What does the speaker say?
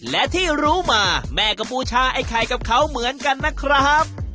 และที่รู้มาแม่ก็บูชาไอ้ไข่กับเขาเหมือนกันนะครับ